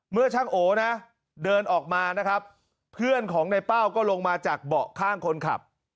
เมื่อช่างโอนะเดินออกมานะครับเพื่อนของในเป้าก็ลงมาจากเบาะข้างคนขับ